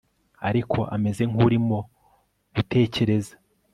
ariko ameze nkurimo gutekereza